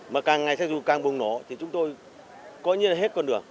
mà càng ngày xe dù càng bùng nổ thì chúng tôi coi như là hết con đường